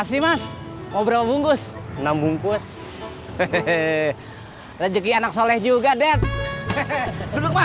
sampai jumpa di video selanjutnya